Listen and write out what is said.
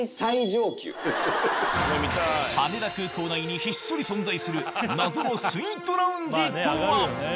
羽田空港内にひっそり存在する謎のスイートラウンジとは？